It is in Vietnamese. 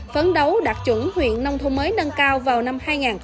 phấn đấu đạt chuẩn huyện nông thôn mới nâng cao vào năm hai nghìn hai mươi